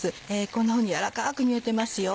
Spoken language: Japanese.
こんなふうに軟らかく煮えてますよ。